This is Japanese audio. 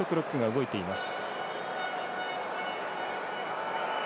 動いています。